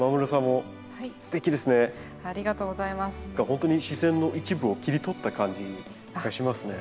ほんとに自然の一部を切り取った感じがしますね。